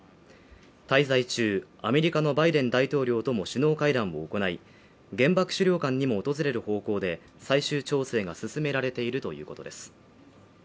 滞在中、アメリカのバイデン大統領とも首脳会談を行い、原爆資料館にも訪れる方向で最終調整が進められているということです。